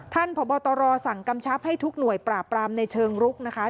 พบตรสั่งกำชับให้ทุกหน่วยปราบปรามในเชิงรุกนะคะ